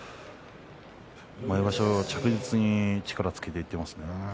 毎場所、着実に力をつけていってますね。